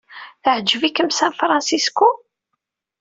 Teɛjeb-iken San Francisco?